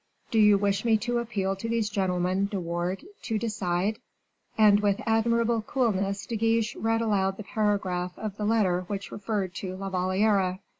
Do you wish me to appeal to these gentlemen, De Wardes, to decide?" And with admirable coolness, De Guiche read aloud the paragraph of the letter which referred to La Valliere.